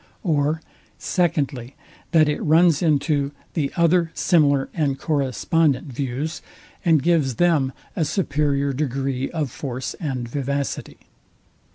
Or, SECONDLY, That it runs into the other similar and correspondent views, and gives them a superior degree of force and vivacity.